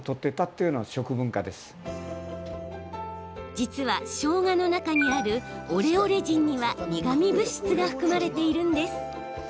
実は、しょうがの中にあるオレオレジンには苦み物質が含まれているんです。